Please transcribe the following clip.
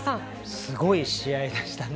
すごい試合でしたね。